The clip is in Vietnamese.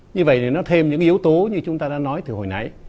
như vậy thì nó thêm những yếu tố như chúng ta đã nói từ hồi nãy